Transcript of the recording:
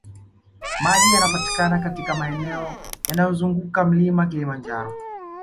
Maji yanapatikana katika maeneo yanayozunguka mlima kilimanjaro